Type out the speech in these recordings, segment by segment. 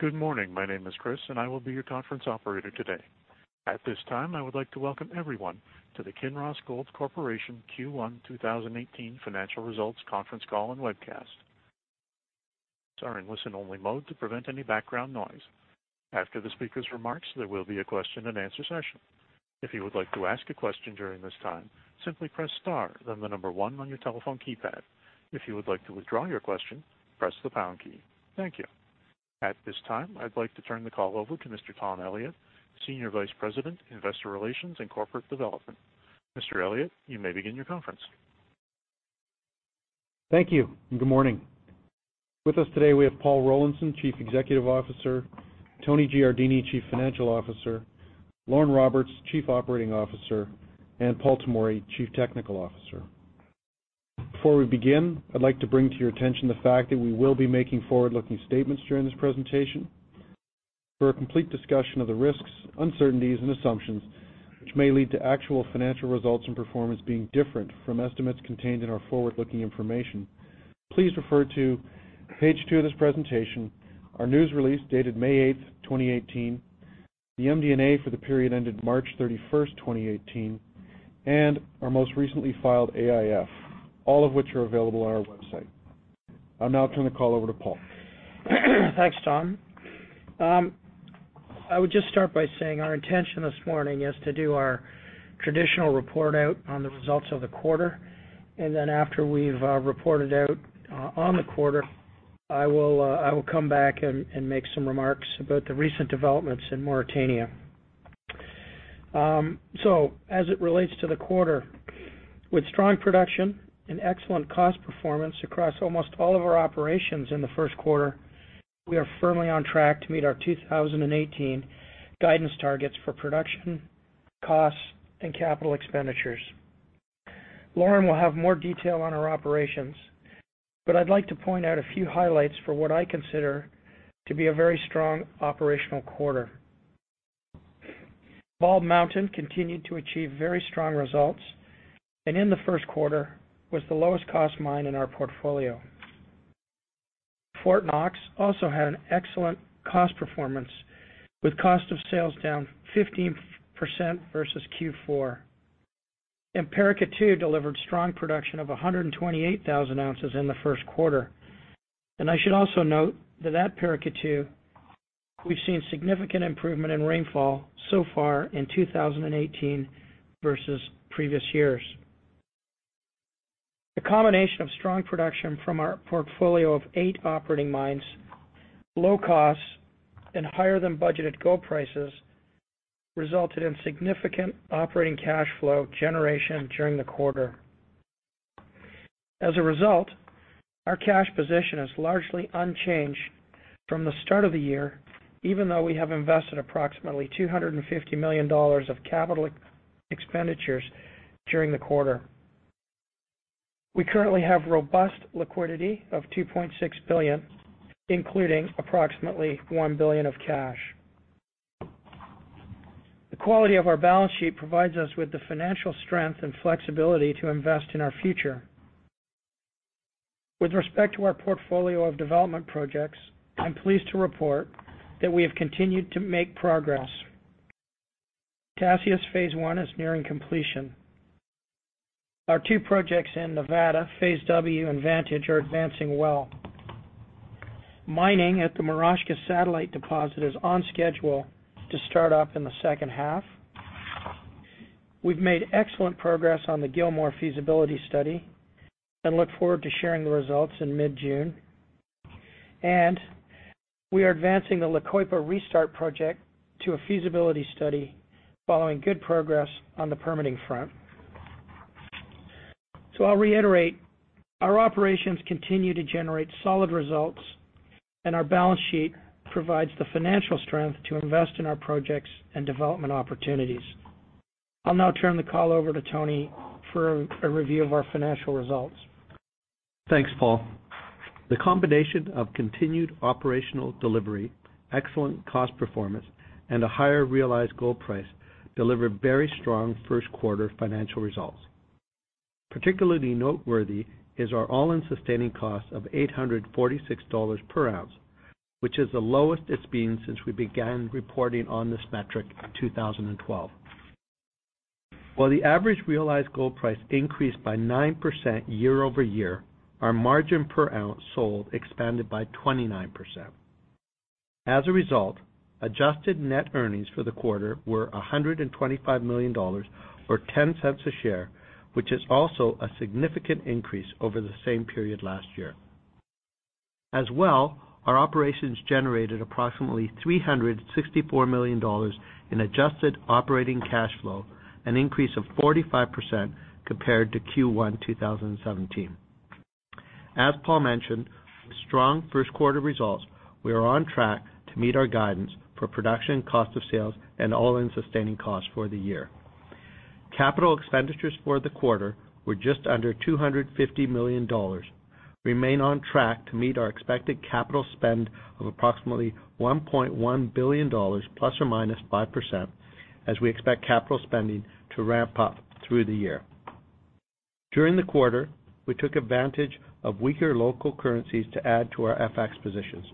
Good morning. My name is Chris and I will be your conference operator today. At this time, I would like to welcome everyone to the Kinross Gold Corporation Q1 2018 Financial Results Conference Call and Webcast. You are in listen only mode to prevent any background noise. After the speaker's remarks, there will be a question and answer session. If you would like to ask a question during this time, simply press star then the number 1 on your telephone keypad. If you would like to withdraw your question, press the pound key. Thank you. At this time, I'd like to turn the call over to Mr. Tom Elliott, Senior Vice President, Investor Relations and Corporate Development. Mr. Elliott, you may begin your conference. Thank you. Good morning. With us today we have Paul Rollinson, Chief Executive Officer, Tony Giardini, Chief Financial Officer, Lauren Roberts, Chief Operating Officer, and Paul Tomory, Chief Technical Officer. Before we begin, I'd like to bring to your attention the fact that we will be making forward-looking statements during this presentation. For a complete discussion of the risks, uncertainties, and assumptions which may lead to actual financial results and performance being different from estimates contained in our forward-looking information, please refer to page two of this presentation, our news release dated May 8, 2018, the MD&A for the period ended March 31, 2018, and our most recently filed AIF, all of which are available on our website. I'll now turn the call over to Paul. Thanks, Tom. I would just start by saying our intention this morning is to do our traditional report out on the results of the quarter, and then after we've reported out on the quarter, I will come back and make some remarks about the recent developments in Mauritania. As it relates to the quarter, with strong production and excellent cost performance across almost all of our operations in the first quarter, we are firmly on track to meet our 2018 guidance targets for production, costs, and capital expenditures. Lauren will have more detail on our operations, but I'd like to point out a few highlights for what I consider to be a very strong operational quarter. Bald Mountain continued to achieve very strong results and in the first quarter was the lowest cost mine in our portfolio. Fort Knox also had an excellent cost performance with cost of sales down 15% versus Q4. Paracatu delivered strong production of 128,000 ounces in the first quarter. I should also note that at Paracatu we've seen significant improvement in rainfall so far in 2018 versus previous years. The combination of strong production from our portfolio of eight operating mines, low costs, and higher than budgeted gold prices resulted in significant operating cash flow generation during the quarter. As a result, our cash position is largely unchanged from the start of the year, even though we have invested approximately $250 million of capital expenditures during the quarter. We currently have robust liquidity of $2.6 billion, including approximately $1 billion of cash. The quality of our balance sheet provides us with the financial strength and flexibility to invest in our future. With respect to our portfolio of development projects, I'm pleased to report that we have continued to make progress. Tasiast phase one is nearing completion. Our two projects in Nevada, Phase W and Vantage, are advancing well. Mining at the Moroshka Satellite Deposit is on schedule to start up in the second half. We've made excellent progress on the Gilmore feasibility study and look forward to sharing the results in mid-June. We are advancing the La Coipa restart project to a feasibility study following good progress on the permitting front. I'll reiterate, our operations continue to generate solid results and our balance sheet provides the financial strength to invest in our projects and development opportunities. I'll now turn the call over to Tony for a review of our financial results. Thanks, Paul. The combination of continued operational delivery, excellent cost performance, and a higher realized gold price delivered very strong first quarter financial results. Particularly noteworthy is our all-in sustaining cost of $846 per ounce, which is the lowest it's been since we began reporting on this metric in 2012. While the average realized gold price increased by 9% year-over-year, our margin per ounce sold expanded by 29%. As a result, adjusted net earnings for the quarter were $125 million or $0.10 a share, which is also a significant increase over the same period last year. As well, our operations generated approximately $364 million in adjusted operating cash flow, an increase of 45% compared to Q1 2017. As Paul mentioned, with strong first quarter results, we are on track to meet our guidance for production cost of sales and all-in sustaining costs for the year. Capital expenditures for the quarter were just under $250 million. We remain on track to meet our expected capital spend of approximately $1.1 billion ±5% as we expect capital spending to ramp up through the year. During the quarter, we took advantage of weaker local currencies to add to our FX positions.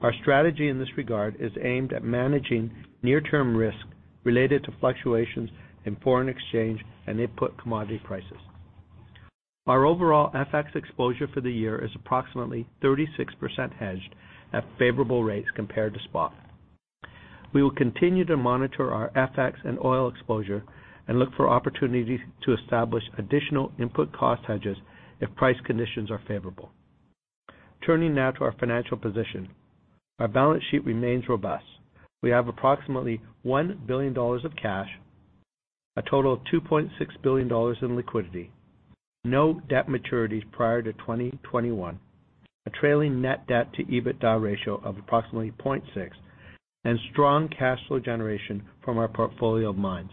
Our strategy in this regard is aimed at managing near-term risk related to fluctuations in foreign exchange and input commodity prices. Our overall FX exposure for the year is approximately 36% hedged at favorable rates compared to spot. We will continue to monitor our FX and oil exposure and look for opportunities to establish additional input cost hedges if price conditions are favorable. Turning now to our financial position. Our balance sheet remains robust. We have approximately $1 billion of cash, a total of $2.6 billion in liquidity, no debt maturities prior to 2021, a trailing net debt to EBITDA ratio of approximately 0.6, and strong cash flow generation from our portfolio of mines.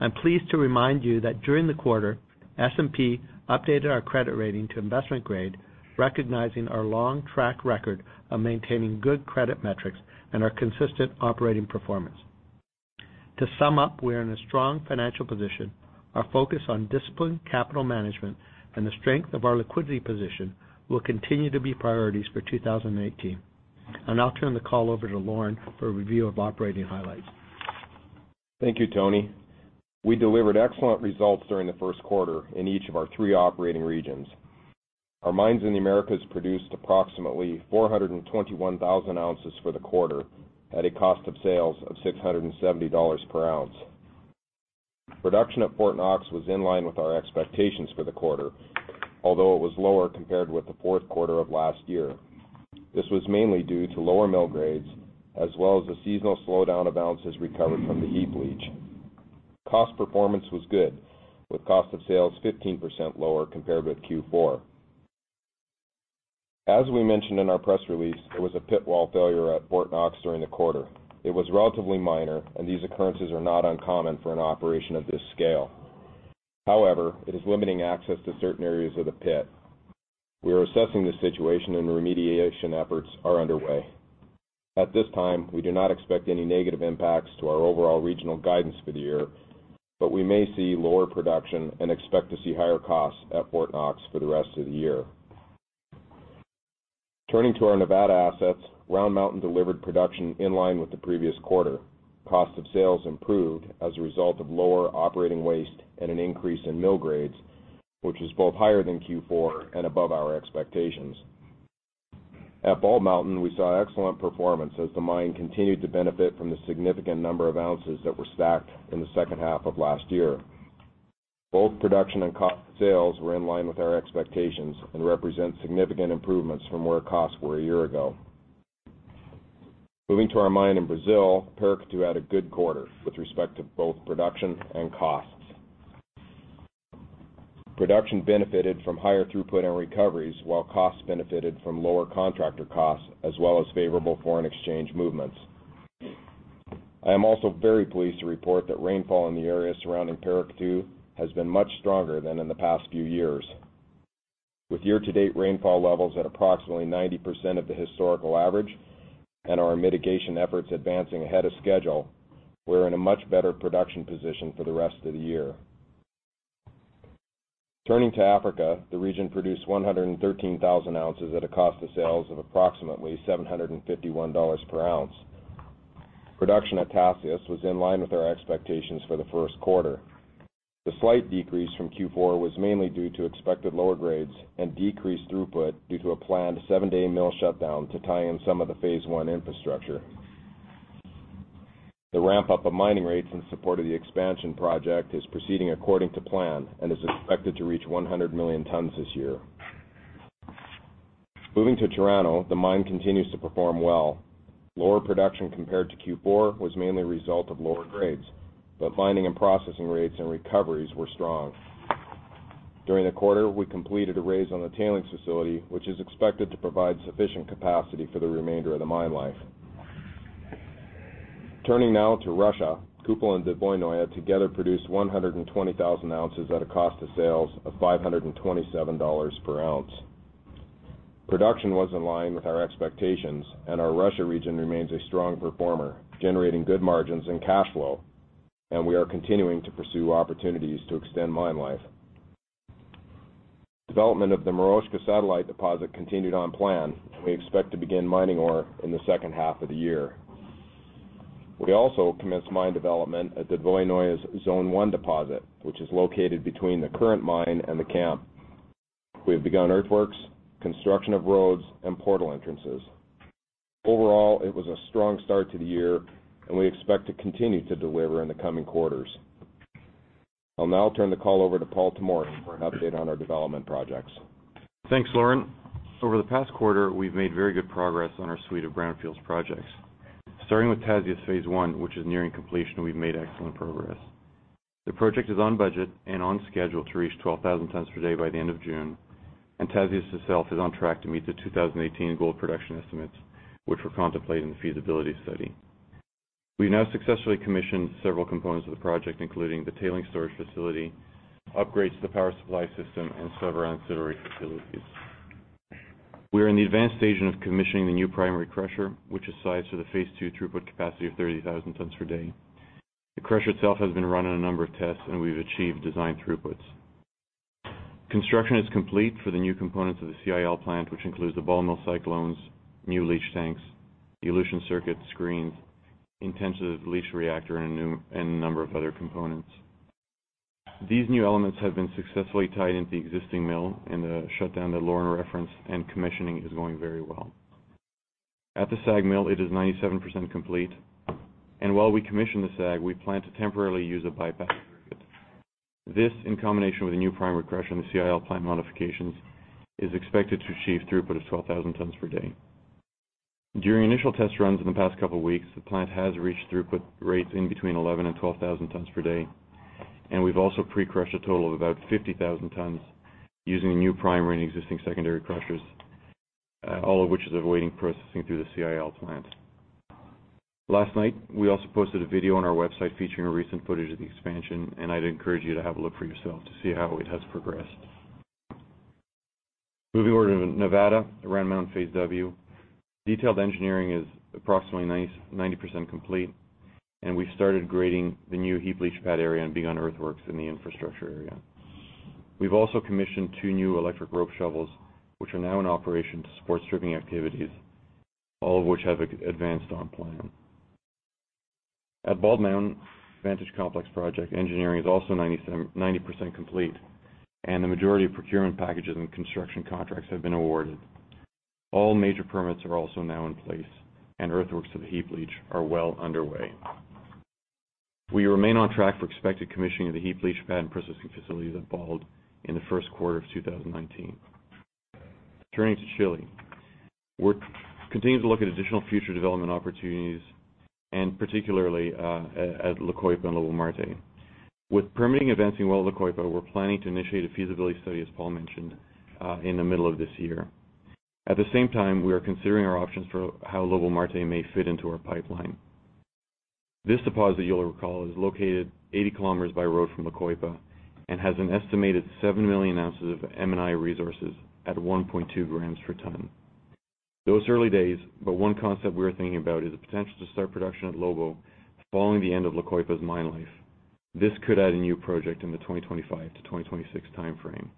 I'm pleased to remind you that during the quarter, S&P updated our credit rating to investment grade, recognizing our long track record of maintaining good credit metrics and our consistent operating performance. To sum up, we're in a strong financial position. Our focus on disciplined capital management and the strength of our liquidity position will continue to be priorities for 2018. I'll now turn the call over to Lauren for a review of operating highlights. Thank you, Tony. We delivered excellent results during the first quarter in each of our three operating regions. Our mines in the Americas produced approximately 421,000 ounces for the quarter, at a cost of sales of $670 per ounce. Production at Fort Knox was in line with our expectations for the quarter, although it was lower compared with the fourth quarter of last year. This was mainly due to lower mill grades, as well as the seasonal slowdown of ounces recovered from the heap leach. Cost performance was good, with cost of sales 15% lower compared with Q4. As we mentioned in our press release, there was a pit wall failure at Fort Knox during the quarter. It was relatively minor, and these occurrences are not uncommon for an operation of this scale. However, it is limiting access to certain areas of the pit. We are assessing the situation and remediation efforts are underway. At this time, we do not expect any negative impacts to our overall regional guidance for the year, but we may see lower production and expect to see higher costs at Fort Knox for the rest of the year. Turning to our Nevada assets, Round Mountain delivered production in line with the previous quarter. Cost of sales improved as a result of lower operating waste and an increase in mill grades, which was both higher than Q4 and above our expectations. At Bald Mountain, we saw excellent performance as the mine continued to benefit from the significant number of ounces that were stacked in the second half of last year. Both production and cost of sales were in line with our expectations and represent significant improvements from where costs were a year ago. Moving to our mine in Brazil, Paracatu had a good quarter with respect to both production and costs. Production benefited from higher throughput and recoveries, while costs benefited from lower contractor costs as well as favorable foreign exchange movements. I am also very pleased to report that rainfall in the area surrounding Paracatu has been much stronger than in the past few years. With year-to-date rainfall levels at approximately 90% of the historical average and our mitigation efforts advancing ahead of schedule, we're in a much better production position for the rest of the year. Turning to Africa, the region produced 113,000 ounces at a cost of sales of approximately $751 per ounce. Production at Tasiast was in line with our expectations for the first quarter. The slight decrease from Q4 was mainly due to expected lower grades and decreased throughput due to a planned seven-day mill shutdown to tie in some of the Phase 1 infrastructure. The ramp-up of mining rates in support of the expansion project is proceeding according to plan and is expected to reach 100 million tons this year. Moving to Chirano, the mine continues to perform well. Lower production compared to Q4 was mainly a result of lower grades, but mining and processing rates and recoveries were strong. During the quarter, we completed a raise on the tailings facility, which is expected to provide sufficient capacity for the remainder of the mine life. Turning now to Russia, Kupol and Dvoinoye together produced 120,000 ounces at a cost of sales of $527 per ounce. Production was in line with our expectations, and our Russia region remains a strong performer, generating good margins and cash flow, and we are continuing to pursue opportunities to extend mine life. Development of the Moroshka satellite deposit continued on plan, and we expect to begin mining ore in the second half of the year. We also commenced mine development at Dvoinoye's Zone 1 deposit, which is located between the current mine and the camp. We have begun earthworks, construction of roads, and portal entrances. Overall, it was a strong start to the year, and we expect to continue to deliver in the coming quarters. I'll now turn the call over to Paul Tomory for an update on our development projects. Thanks, Lauren. Over the past quarter, we've made very good progress on our suite of brownfields projects. Starting with Tasiast Phase 1, which is nearing completion, we've made excellent progress. The project is on budget and on schedule to reach 12,000 tons per day by the end of June, and Tasiast itself is on track to meet the 2018 gold production estimates, which were contemplated in the feasibility study. We now successfully commissioned several components of the project, including the tailings storage facility, upgrades to the power supply system, and several ancillary facilities. We are in the advanced stage of commissioning the new primary crusher, which is sized for the Phase 2 throughput capacity of 30,000 tons per day. The crusher itself has been run on a number of tests, and we've achieved design throughputs. Construction is complete for the new components of the CIL plant, which includes the ball mill cyclones, new leach tanks, the elution circuit screens, intensive leach reactor, and a number of other components. These new elements have been successfully tied into the existing mill in the shutdown that Lauren referenced, and commissioning is going very well. At the SAG mill, it is 97% complete. While we commission the SAG, we plan to temporarily use a bypass circuit. This, in combination with a new primary crusher and the CIL plant modifications, is expected to achieve throughput of 12,000 tons per day. During initial test runs in the past couple of weeks, the plant has reached throughput rates in between 11,000 and 12,000 tons per day, and we've also pre-crushed a total of about 50,000 tons using the new primary and existing secondary crushers, all of which is avoiding processing through the CIL plant. Last night, we also posted a video on our website featuring recent footage of the expansion, and I'd encourage you to have a look for yourself to see how it has progressed. Moving over to Nevada, Round Mountain Phase W. Detailed engineering is approximately 90% complete, and we've started grading the new heap leach pad area and begun earthworks in the infrastructure area. We've also commissioned two new electric rope shovels, which are now in operation to support stripping activities, all of which have advanced on plan. At Bald Mountain Vantage Complex project, engineering is also 90% complete, and the majority of procurement packages and construction contracts have been awarded. All major permits are also now in place, and earthworks to the heap leach are well underway. We remain on track for expected commissioning of the heap leach pad and processing facilities at Bald in the first quarter of 2019. Turning to Chile. We're continuing to look at additional future development opportunities, and particularly, at La Coipa and Lobo Marte. With permitting advancing well at La Coipa, we're planning to initiate a feasibility study, as Paul mentioned, in the middle of this year. At the same time, we are considering our options for how Lobo Marte may fit into our pipeline. This deposit, you'll recall, is located 80 kilometers by road from La Coipa and has an estimated seven million ounces of M&I resources at 1.2 grams per ton. One concept we're thinking about is the potential to start production at Lobo following the end of La Coipa's mine life. This could add a new project in the 2025 to 2026 timeframe.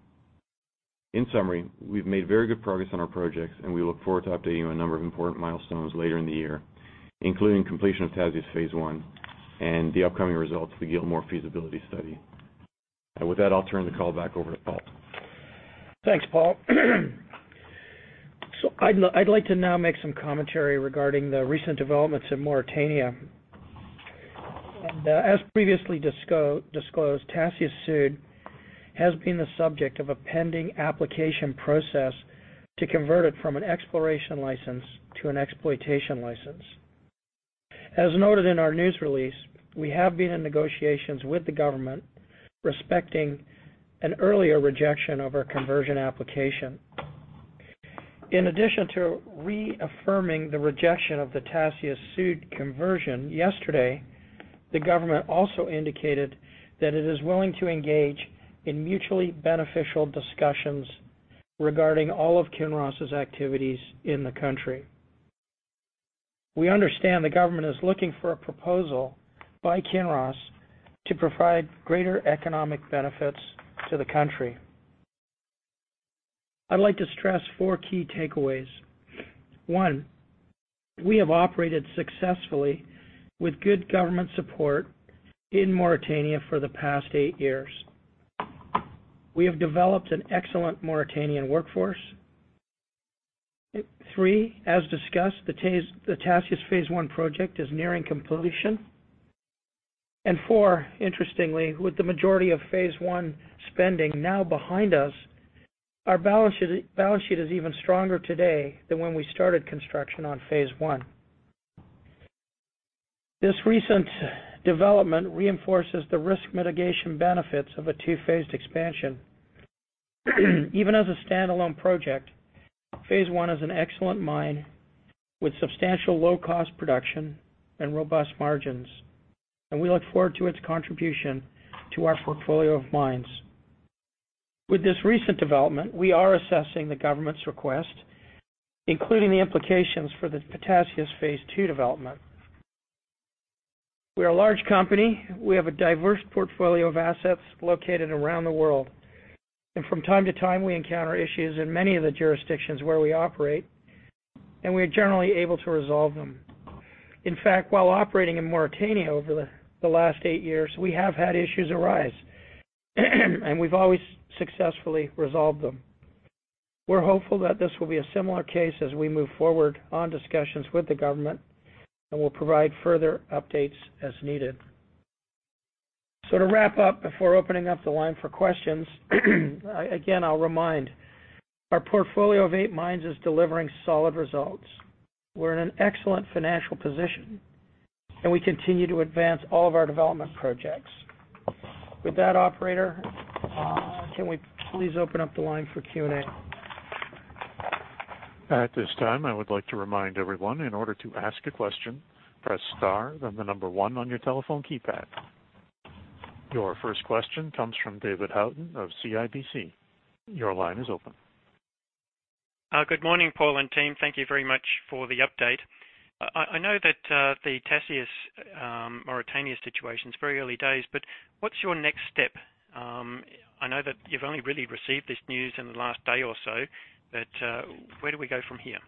In summary, we've made very good progress on our projects, and we look forward to updating you on a number of important milestones later in the year, including completion of Tasiast phase one and the upcoming results for the Gilmore feasibility study. With that, I'll turn the call back over to Paul. Thanks, Paul. I'd like to now make some commentary regarding the recent developments in Mauritania. As previously disclosed, Tasiast Sud has been the subject of a pending application process to convert it from an exploration license to an exploitation license. As noted in our news release, we have been in negotiations with the government respecting an earlier rejection of our conversion application. In addition to reaffirming the rejection of the Tasiast Sud conversion yesterday, the government also indicated that it is willing to engage in mutually beneficial discussions regarding all of Kinross's activities in the country. We understand the government is looking for a proposal by Kinross to provide greater economic benefits to the country. I'd like to stress four key takeaways. One, we have operated successfully with good government support in Mauritania for the past eight years. We have developed an excellent Mauritanian workforce. Three, as discussed, the Tasiast phase one project is nearing completion. Four, interestingly, with the majority of phase one spending now behind us, our balance sheet is even stronger today than when we started construction on phase one. This recent development reinforces the risk mitigation benefits of a two-phased expansion. Even as a standalone project, phase one is an excellent mine with substantial low-cost production and robust margins, and we look forward to its contribution to our portfolio of mines. With this recent development, we are assessing the government's request, including the implications for the Tasiast phase two development. We are a large company. We have a diverse portfolio of assets located around the world, and from time to time, we encounter issues in many of the jurisdictions where we operate, and we are generally able to resolve them. In fact, while operating in Mauritania over the last eight years, we have had issues arise, and we've always successfully resolved them. We're hopeful that this will be a similar case as we move forward on discussions with the government, and we'll provide further updates as needed. To wrap up before opening up the line for questions, again, I'll remind, our portfolio of eight mines is delivering solid results. We're in an excellent financial position, and we continue to advance all of our development projects. With that, operator, can we please open up the line for Q&A? At this time, I would like to remind everyone, in order to ask a question, press star, then the number one on your telephone keypad. Your first question comes from David Haughton of CIBC. Your line is open. Good morning, Paul and team. Thank you very much for the update. I know that the Tasiast Mauritania situation is very early days. What's your next step? I know that you've only really received this news in the last day or so. Where do we go from here?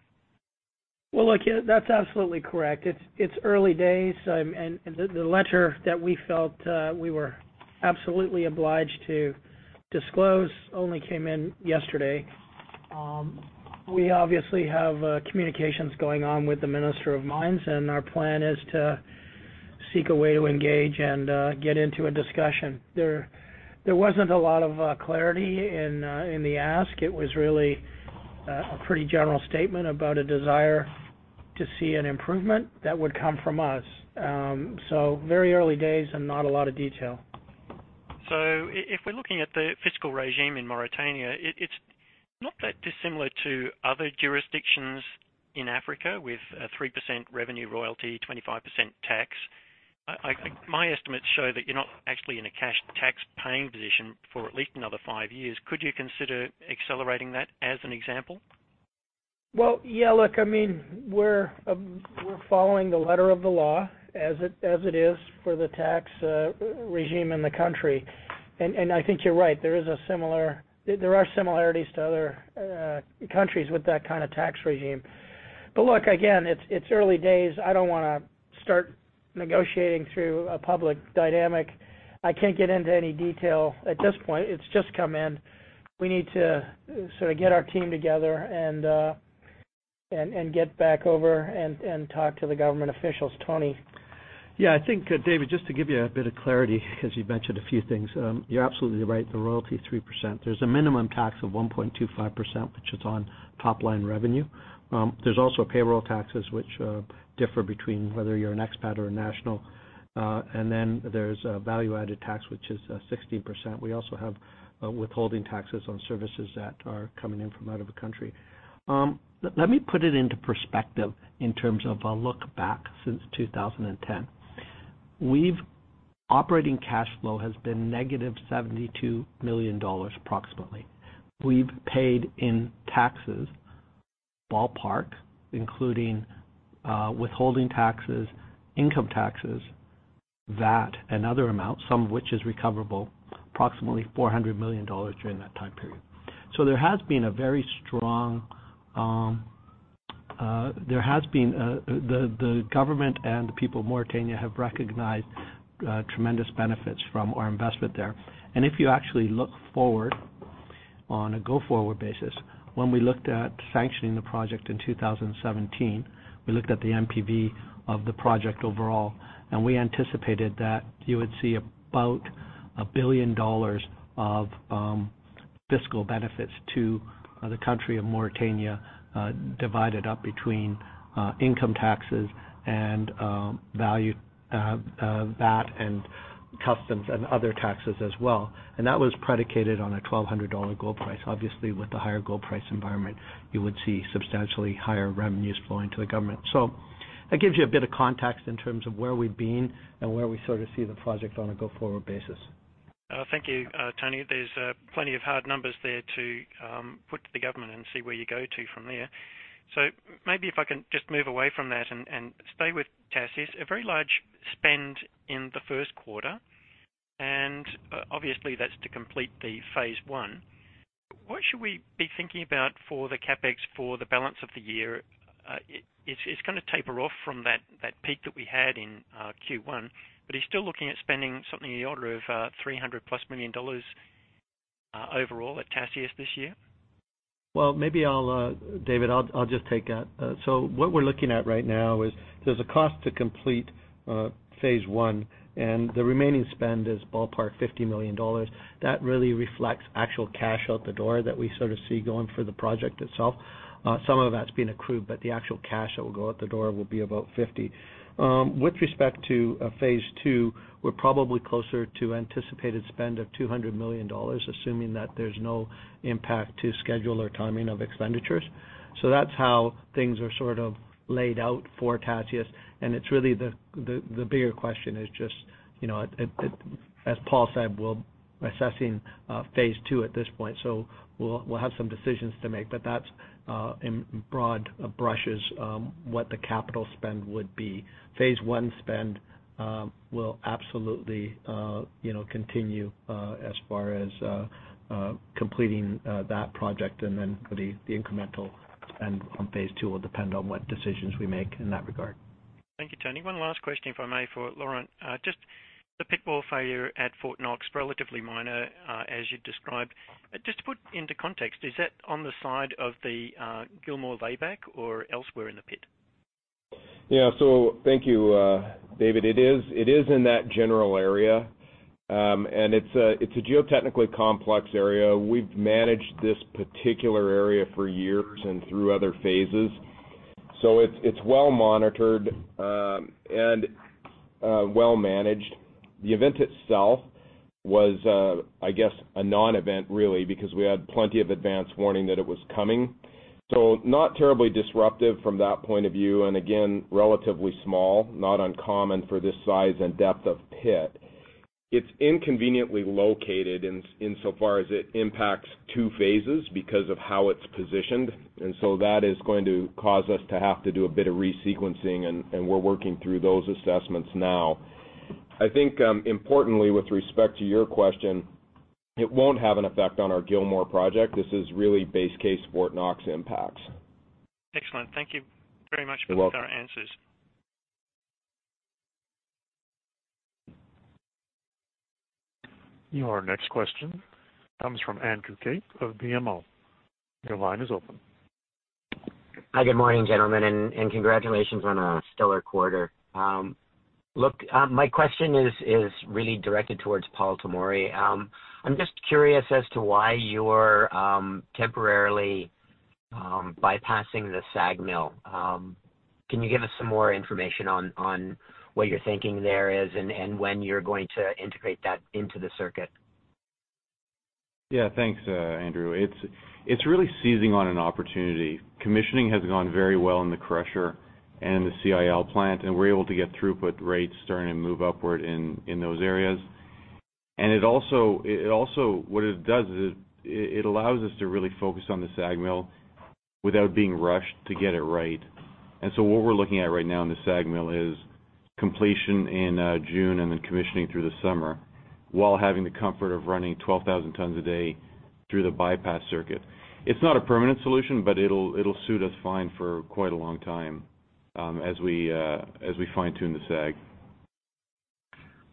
Well, look, that's absolutely correct. It's early days. The letter that we felt we were absolutely obliged to disclose only came in yesterday. We obviously have communications going on with the Minister of Mines, and our plan is to seek a way to engage and get into a discussion. There wasn't a lot of clarity in the ask. It was really a pretty general statement about a desire to see an improvement that would come from us. Very early days and not a lot of detail. If we're looking at the fiscal regime in Mauritania, it's not that dissimilar to other jurisdictions in Africa with a 3% revenue royalty, 25% tax. My estimates show that you're not actually in a cash tax paying position for at least another five years. Could you consider accelerating that as an example? Well, yeah, look, we're following the letter of the law as it is for the tax regime in the country. I think you're right, there are similarities to other countries with that kind of tax regime. Look, again, it's early days. I don't want to start negotiating through a public dynamic. I can't get into any detail at this point. It's just come in. We need to get our team together and get back over and talk to the government officials. Tony. Yeah, I think, David, just to give you a bit of clarity, because you mentioned a few things. You're absolutely right, the royalty is 3%. There's a minimum tax of 1.25%, which is on top-line revenue. There's also payroll taxes, which differ between whether you're an expat or a national. There's value-added tax, which is 16%. We also have withholding taxes on services that are coming in from out of the country. Let me put it into perspective in terms of a look back since 2010. Operating cash flow has been negative $72 million, approximately. We've paid in taxes, ballpark, including withholding taxes, income taxes, VAT and other amounts, some of which is recoverable, approximately $400 million during that time period. The government and the people of Mauritania have recognized tremendous benefits from our investment there. If you actually look forward on a go-forward basis, when we looked at sanctioning the project in 2017, we looked at the NPV of the project overall, and we anticipated that you would see about $1 billion of fiscal benefits to the country of Mauritania, divided up between income taxes and value, VAT and customs and other taxes as well. That was predicated on a $1,200 gold price. Obviously, with the higher gold price environment, you would see substantially higher revenues flowing to the government. That gives you a bit of context in terms of where we've been and where we sort of see the project on a go-forward basis. Thank you, Tony. There's plenty of hard numbers there to put to the government and see where you go to from there. Maybe if I can just move away from that and stay with Tasiast. A very large spend in the first quarter, and obviously that's to complete the Phase 1. What should we be thinking about for the CapEx for the balance of the year? It's going to taper off from that peak that we had in Q1, but are you still looking at spending something in the order of $300+ million overall at Tasiast this year? David, I'll just take that. What we're looking at right now is there's a cost to complete Phase 1, and the remaining spend is ballpark $50 million. That really reflects actual cash out the door that we sort of see going for the project itself. Some of that's been accrued, but the actual cash that will go out the door will be about $50 million. With respect to Phase 2, we're probably closer to anticipated spend of $200 million, assuming that there's no impact to schedule or timing of expenditures. That's how things are sort of laid out for Tasiast, and it's really the bigger question is just, as Paul said, we're assessing Phase 2 at this point. We'll have some decisions to make, but that's in broad brushes what the capital spend would be. Phase one spend will absolutely continue as far as completing that project, and then the incremental spend on Phase two will depend on what decisions we make in that regard. Thank you, Tony. One last question, if I may, for Lauren. Just the pit wall failure at Fort Knox, relatively minor as you described. Just to put into context, is that on the side of the Gilmore layback or elsewhere in the pit? Thank you, David. It is in that general area. It's a geotechnically complex area. We've managed this particular area for years and through other phases. It's well-monitored and well-managed. The event itself was, I guess, a non-event really because we had plenty of advance warning that it was coming. Not terribly disruptive from that point of view, and again, relatively small, not uncommon for this size and depth of pit. It's inconveniently located insofar as it impacts two phases because of how it's positioned. That is going to cause us to have to do a bit of re-sequencing, and we're working through those assessments now. I think importantly with respect to your question, it won't have an effect on our Gilmore project. This is really base case Fort Knox impacts. Excellent. Thank you very much. You're welcome. with your answers. Your next question comes from Andrew Kaip of BMO. Your line is open. Hi. Good morning, gentlemen, and congratulations on a stellar quarter. My question is really directed towards Paul Tomory. I'm just curious as to why you're temporarily bypassing the SAG mill. Can you give us some more information on what your thinking there is and when you're going to integrate that into the circuit? Yeah. Thanks, Andrew. It's really seizing on an opportunity. Commissioning has gone very well in the crusher and the CIL plant, and we're able to get throughput rates starting to move upward in those areas. What it does is it allows us to really focus on the SAG mill without being rushed to get it right. What we're looking at right now in the SAG mill is completion in June and then commissioning through the summer while having the comfort of running 12,000 tons a day through the bypass circuit. It's not a permanent solution, but it'll suit us fine for quite a long time, as we fine-tune the SAG.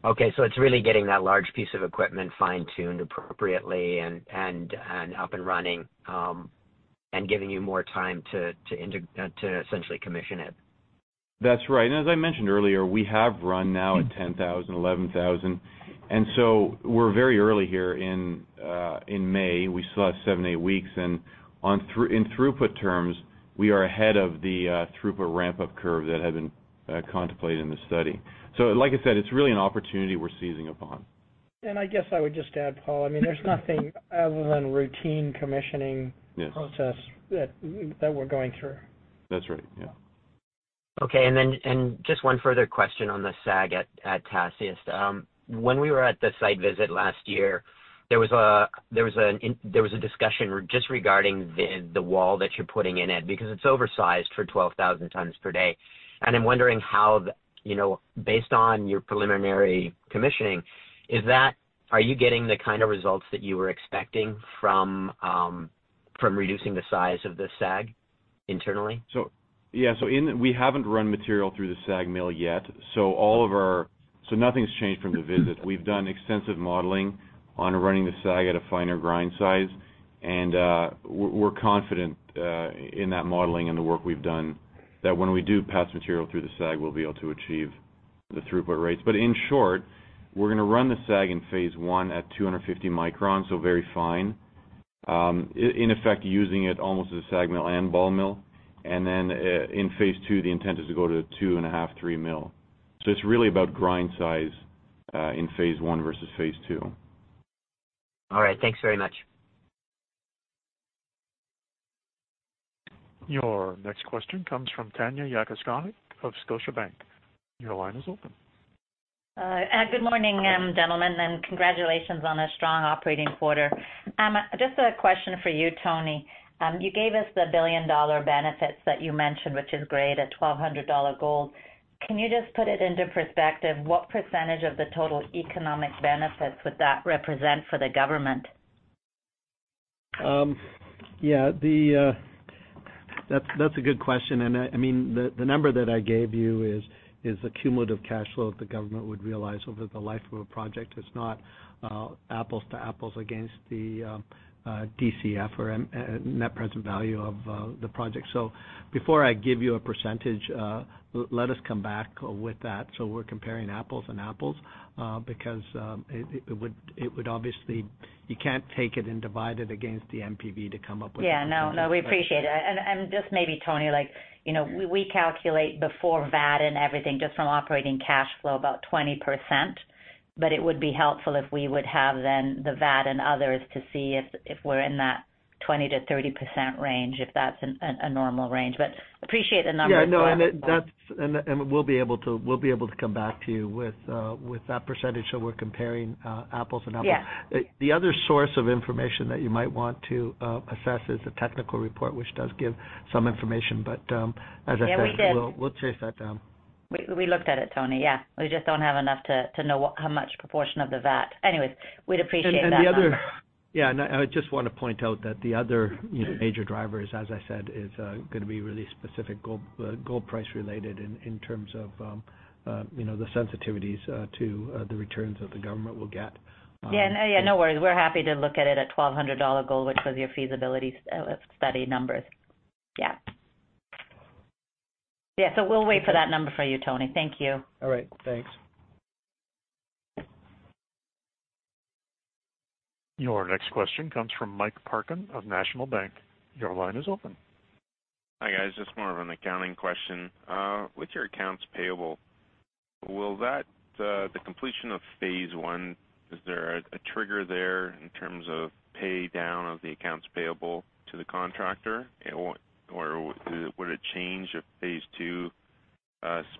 Okay, it's really getting that large piece of equipment fine-tuned appropriately and up and running, and giving you more time to essentially commission it. That's right. As I mentioned earlier, we have run now at 10,000, 11,000. We're very early here in May. We still have seven, eight weeks. In throughput terms, we are ahead of the throughput ramp-up curve that had been contemplated in the study. Like I said, it's really an opportunity we're seizing upon. I guess I would just add, Paul, there's nothing other than routine commissioning- Yes process that we're going through. That's right, yeah. Okay, just one further question on the SAG at Tasiast. When we were at the site visit last year, there was a discussion just regarding the wall that you're putting in it, because it's oversized for 12,000 tons per day. I'm wondering how, based on your preliminary commissioning, are you getting the kind of results that you were expecting from reducing the size of the SAG internally? We haven't run material through the SAG mill yet, so nothing's changed from the visit. We've done extensive modeling on running the SAG at a finer grind size, and we're confident in that modeling and the work we've done, that when we do pass material through the SAG, we'll be able to achieve the throughput rates. In short, we're going to run the SAG in phase 1 at 250 microns, so very fine, in effect, using it almost as a SAG mill and ball mill. Then in phase 2, the intent is to go to 2.5 mm, 3 mm. It's really about grind size, in phase 1 versus phase 2. All right. Thanks very much. Your next question comes from Tanya Jakusconek of Scotiabank. Your line is open. Good morning, gentlemen, and congratulations on a strong operating quarter. Just a question for you, Tony. You gave us the billion-dollar benefits that you mentioned, which is great, at $1,200 gold. Can you just put it into perspective, what % of the total economic benefits would that represent for the government? Yeah. That's a good question. The number that I gave you is the cumulative cash flow that the government would realize over the life of a project. It's not apples to apples against the DCF or net present value of the project. Before I give you a %, let us come back with that so we're comparing apples and apples, because obviously you can't take it and divide it against the NPV to come up with a %. Yeah. No, we appreciate it. Just maybe, Tony, we calculate before VAT and everything, just from operating cash flow, about 20%. It would be helpful if we would have then the VAT and others to see if we're in that 20%-30% range, if that's a normal range, but appreciate the number. Yeah, no, we'll be able to come back to you with that % so we're comparing apples and apples. Yes. The other source of information that you might want to assess is the technical report, which does give some information. As I said. Yeah, we did we'll chase that down. We looked at it, Tony, yeah. We just don't have enough to know how much proportion of the VAT. Anyways, we'd appreciate that number. Yeah, I just want to point out that the other major driver, as I said, is going to be really specific gold price related in terms of the sensitivities to the returns that the government will get. No worries. We're happy to look at it at $1,200 gold, which was your feasibility study numbers. We'll wait for that number from you, Tony. Thank you. All right. Thanks. Your next question comes from Mike Parkin of National Bank. Your line is open. Hi, guys. More of an accounting question. With your accounts payable, will the completion of Phase 1, is there a trigger there in terms of pay down of the accounts payable to the contractor? Would it change if Phase 2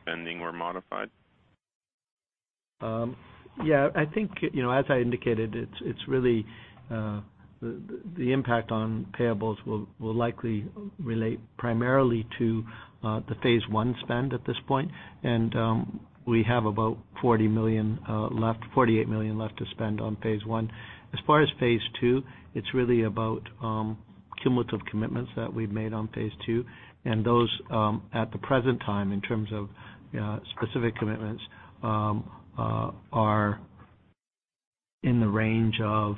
spending were modified? Yes, I think, as I indicated, the impact on payables will likely relate primarily to the phase one spend at this point. We have about $48 million left to spend on phase one. As far as phase two, it's really about cumulative commitments that we've made on phase two, and those at the present time, in terms of specific commitments, are in the range of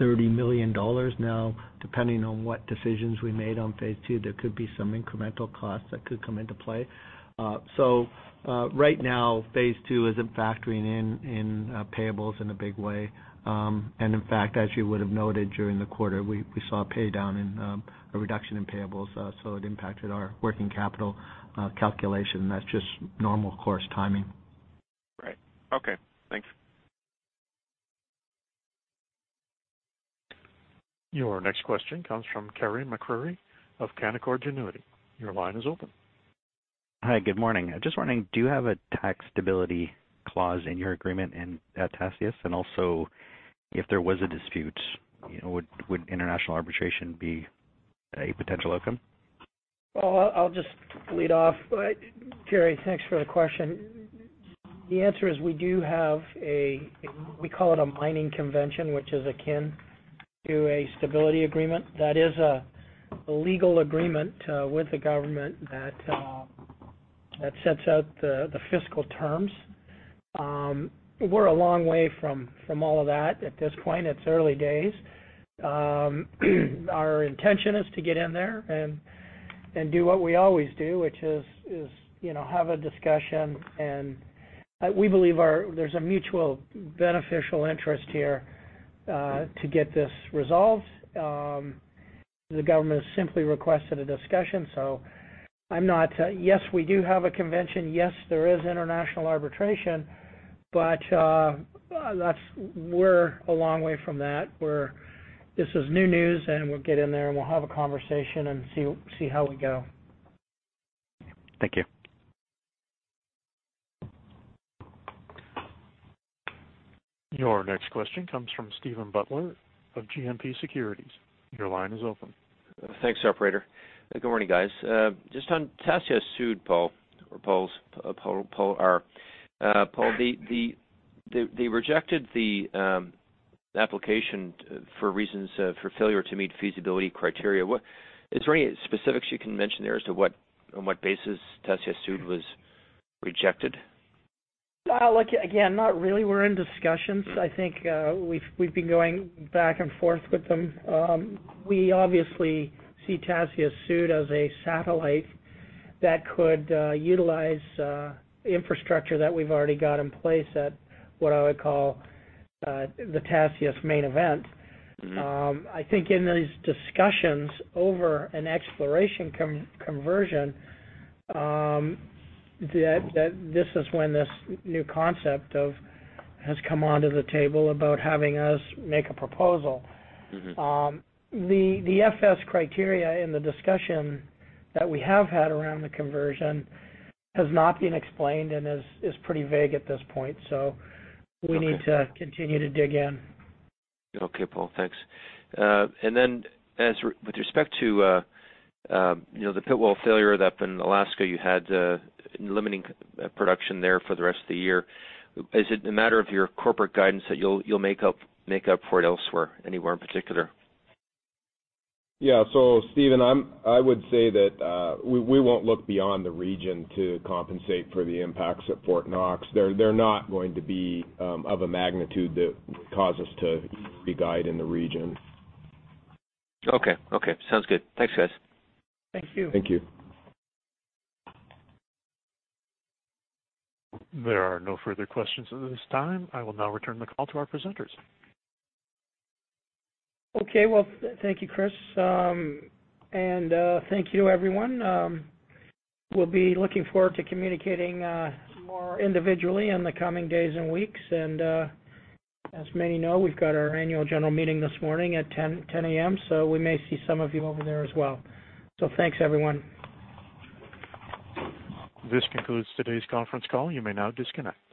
$30 million now. Depending on what decisions we made on phase two, there could be some incremental costs that could come into play. Right now, phase two isn't factoring in payables in a big way. In fact, as you would have noted during the quarter, we saw a pay down and a reduction in payables. It impacted our working capital calculation. That's just normal course timing. Right. Okay, thanks. Your next question comes from Carey MacRury of Canaccord Genuity. Your line is open. Hi, good morning. Just wondering, do you have a tax stability clause in your agreement in Tasiast? Also, if there was a dispute, would international arbitration be a potential outcome? Well, I'll just lead off. Carey, thanks for the question. The answer is we do have a, we call it a mining convention, which is akin to a stability agreement. That is a legal agreement with the government that sets out the fiscal terms. We're a long way from all of that at this point. It's early days. Our intention is to get in there and do what we always do, which is have a discussion. We believe there's a mutual beneficial interest here to get this resolved. The government has simply requested a discussion. Yes, we do have a convention. Yes, there is international arbitration, but we're a long way from that. This is new news, and we'll get in there, and we'll have a conversation and see how we go. Thank you. Your next question comes from Stephen Butler of GMP Securities. Your line is open. Thanks, operator. Good morning, guys. Just on Tasiast Sud, Paul. They rejected the application for failure to meet feasibility criteria. Is there any specifics you can mention there as to on what basis Tasiast Sud was rejected? Again, not really. We're in discussions. I think we've been going back and forth with them. We obviously see Tasiast Sud as a satellite that could utilize infrastructure that we've already got in place at what I would call the Tasiast main event. I think in these discussions over an exploration conversion, this is when this new concept has come onto the table about having us make a proposal. The FS criteria in the discussion that we have had around the conversion has not been explained and is pretty vague at this point. We need to continue to dig in. Okay, Paul, thanks. With respect to the pit wall failure up in Alaska, you had limiting production there for the rest of the year. Is it a matter of your corporate guidance that you'll make up for it elsewhere, anywhere in particular? Yes. Stephen, I would say that we won't look beyond the region to compensate for the impacts at Fort Knox. They're not going to be of a magnitude that would cause us to re-guide in the region. Okay. Sounds good. Thanks, guys. Thank you. Thank you. There are no further questions at this time. I will now return the call to our presenters. Okay. Well, thank you, Chris, and thank you, everyone. We'll be looking forward to communicating some more individually in the coming days and weeks. As many know, we've got our annual general meeting this morning at 10:00 A.M., so we may see some of you over there as well. Thanks, everyone. This concludes today's conference call. You may now disconnect.